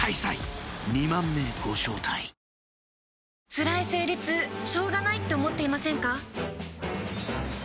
つらい生理痛しょうがないって思っていませんか？